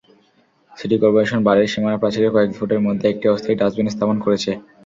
City corporation বাড়ির সীমানাপ্রাচীরের কয়েক ফুটের মধ্যে একটি অস্থায়ী ডাস্টবিন স্থাপন করেছে।